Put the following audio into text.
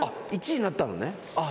１位になったのねそうか。